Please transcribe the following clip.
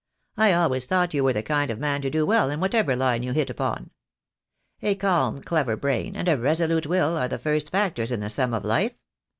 I always thought you were the kind of man to do well in whatever line you hit upon. A calm, clever brain and a resolute will are the first factors in the sum of life.